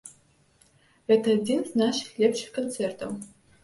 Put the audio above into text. Гэта адзін з нашых лепшых канцэртаў.